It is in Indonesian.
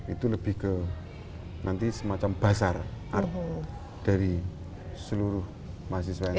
itu lebih ke nanti semacam bazar art dari seluruh mahasiswa indonesia